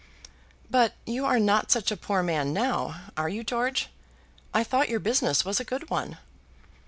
"But you are not such a very poor man now, are you, George? I thought your business was a good one."